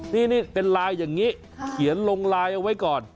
นี่เป็นไลน์อย่างนี้เขียนลงไลน์เอาไว้ก่อน